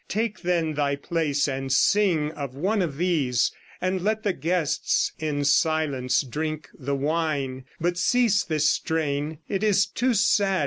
Take, then, thy place, And sing of one of these, and let the guests In silence drink the wine; but cease this strain; It is too sad.